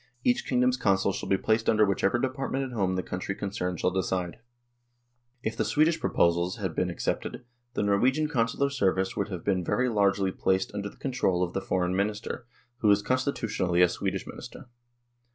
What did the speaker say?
Each king dom's Consuls shall be placed under whichever department at home the country concerned shall decide/ " If the Swedish proposals had been ac cepted, the Norwegian Consular service would have been very largely placed under the control of the Foreign Minister, who is constitutionally a Swedish Minister.